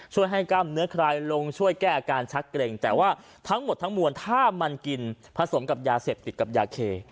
ช่วยให้กล้ามเนื้อคลายลงช่วยแก้อาการชักเกร็งแต่ว่าทั้งหมดทั้งมวลถ้ามันกินผสมกับยาเสพติดกับยาเค